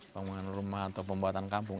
pembangunan rumah atau pembuatan kampung